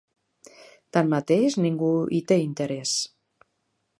Tanmateix, ningú hi té interès.